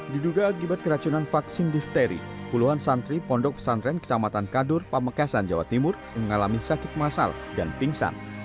diduga akibat keracunan vaksin difteri puluhan santri pondok pesantren kecamatan kadur pamekasan jawa timur mengalami sakit masal dan pingsan